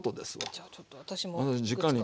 じゃあちょっと私も。